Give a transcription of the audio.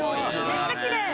めっちゃきれい！